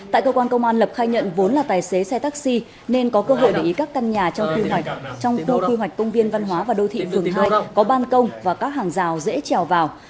tại cơ quan công an lập khai nhận vốn là tài xế xe taxi nên có cơ hội để ý các căn nhà trong khu quy hoạch công viên văn hóa và đô thị phường hai có ban công và các hàng rào dễ trèo vào